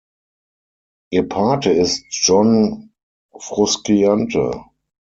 Ihr Pate ist John Frusciante.